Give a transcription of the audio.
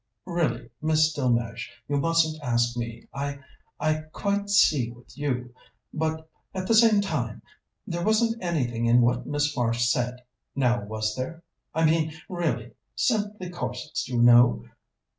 "Really, Miss Delmege, you mustn't ask me. I I quite see with you but at the same time there wasn't anything in what Miss Marsh said, now, was there? I mean, really. Simply corsets, you know."